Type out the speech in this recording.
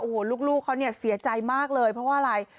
โอ้โหลูกเขาเนี่ยเสียใจมากเลยเพราะว่าอะไร